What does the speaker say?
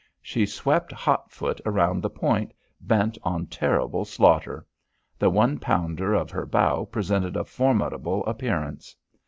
She swept hot foot around the point, bent on terrible slaughter; the one pounder of her bow presented a formidable appearance.